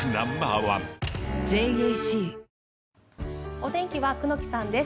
お天気は久能木さんです。